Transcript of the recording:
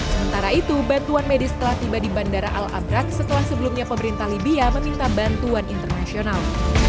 sementara itu bantuan medis telah tiba di bandara al abrak setelah sebelumnya pemerintah libya meminta bantuan internasional